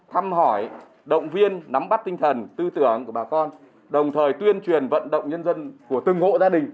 tinh thần tư tưởng của bà con đồng thời tuyên truyền vận động nhân dân của từng hộ gia đình